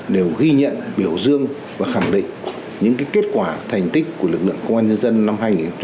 đều ghi nhận biểu dương và khẳng định những kết quả thành tích của lực lượng công an nhân dân năm hai nghìn hai mươi ba